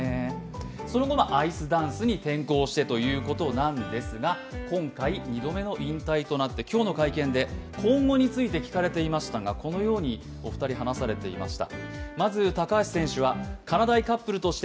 その後はアイスダンスに転向して、今回２度目の引退となって今日の会見で今後について聞かれていましたがこのようにお二人、話されていました。